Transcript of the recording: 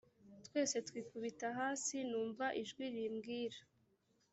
twese twikubita hasi numva ijwi rimbwira